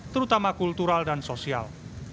terutama kultural dan sosial